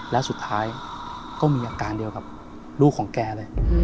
แล้วสุดท้ายก็มีอาการเดียวกับลูกของแกเลย